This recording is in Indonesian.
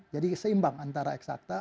jadi seimbang antara eksakta